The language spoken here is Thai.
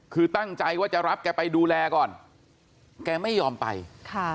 คือตั้งใจว่าจะรับแกไปดูแลก่อนแกไม่ยอมไปค่ะ